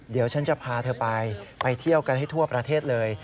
เดี๋ยวฉันจะพาเธอไปไปเที่ยวกันให้ทั่วประเทศเลย